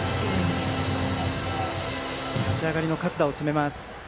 立ち上がりの勝田を攻めます。